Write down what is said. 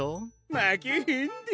まけへんで！